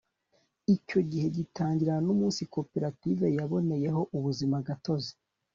icyo gihe gitangirana n'umunsi koperative yaboneyeho ubuzima gatozi